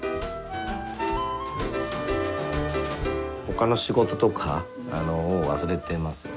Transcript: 他の仕事とかもう忘れてますね。